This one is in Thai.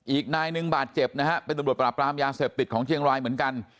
อีกนายหนึ่งบาดเจ็บนะฮะเป็นตำรวจปราบรามยาเสพติดของเชียงรายเหมือนกัน